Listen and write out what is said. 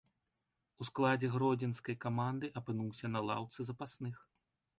У складзе гродзенскай каманды апынуўся на лаўцы запасных.